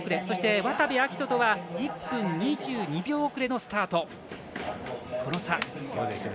そして、渡部暁斗とは１分２２秒遅れのスタート。